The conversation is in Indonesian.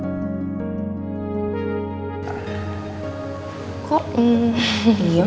kakak tau gak sih itu tuh namanya kode nanti kalau misalnya kalian nikah kami sih maunya dihituin